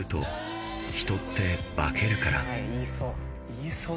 言いそう。